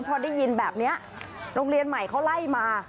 พอได้ยินแบบนี้โรงเรียนใหม่เขาไล่มา